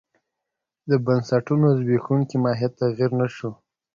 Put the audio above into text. د بنسټونو زبېښونکی ماهیت تغیر نه شو.